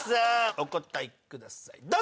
お答えくださいどうぞ！